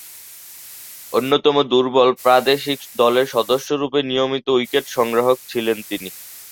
অন্যতম দুর্বল প্রাদেশিক দলের সদস্যরূপে নিয়মিত উইকেট সংগ্রাহক ছিলেন তিনি।